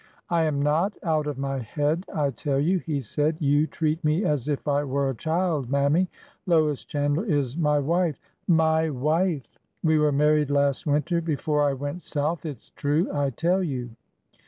" I am not out of my head, I tell you !" he said. '' You treat me as if I were a child, Mammy ! Lois Chandler is my wife— my wife! We were married last winter, before I went South. It 's true, I tell you